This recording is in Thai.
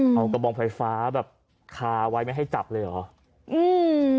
เอากระบองไฟฟ้าแบบคาไว้ไม่ให้จับเลยเหรออืม